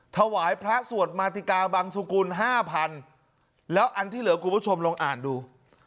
ถวายพระสวดมาติกาบังสุกุลห้าพันแล้วอันที่เหลือคุณผู้ชมลองอ่านดู